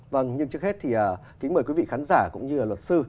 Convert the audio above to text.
vâng nhưng trước hết thì kính mời quý vị khán giả cũng như là luật sư